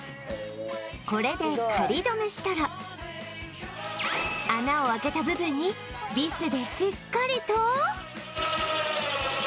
これで仮どめしたら穴を開けた部分にビスでしっかりと